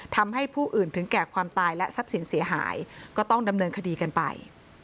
ทำให้ผู้อื่นถึงแก่ความตายและทรัพย์สินเสียหายก็ต้องดำเนินคดีกันไป